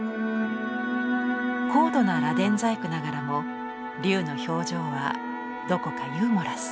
高度な螺鈿細工ながらも龍の表情はどこかユーモラス。